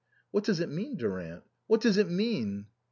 "What does it mean, Durant? what does it mean